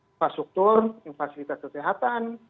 infrastruktur yang fasilitas kesehatan